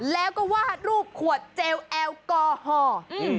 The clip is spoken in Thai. แล้วก็วาดรูปขวดเจลแอลกอฮอล์